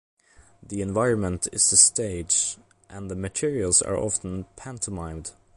The environment is the stage and the materials are often pantomimed.